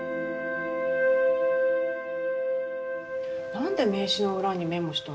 何で名刺の裏にメモしたんですか？